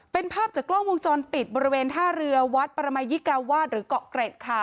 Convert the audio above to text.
เป็นภาพจากกล้องวงจรปิดบริเวณท่าเรือวัดปรมัยยิกาวาสหรือเกาะเกร็ดค่ะ